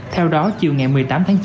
theo đó chiều ngày một mươi tám tháng chín